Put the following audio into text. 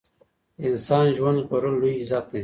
د انسان ژوند ژغورل لوی عزت دی.